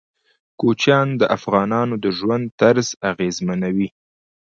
کوچیان د افغانانو د ژوند طرز اغېزمنوي.